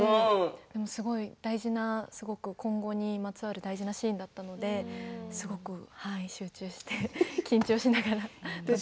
でも、すごい大事な今後にまつわる大事なシーンだったので集中して緊張しながらやりました。